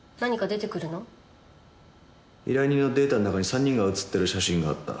依頼人のデータの中に３人が写っている写真があった。